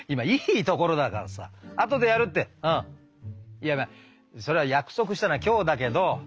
いやまあそれは約束したのは今日だけど。